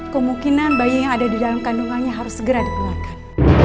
kemungkinan bayi yang ada di dalam kandungannya harus segera dipulangkan